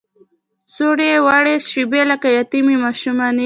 څووړې، وړې شیبې لکه یتیمې ماشومانې